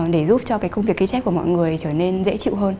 để giúp cho cái công việc ghi chép của mọi người trở nên dễ chịu hơn